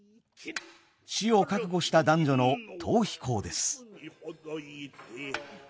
死を覚悟した男女の逃避行です。